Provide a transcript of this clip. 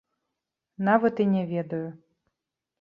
Нават і не ведаю.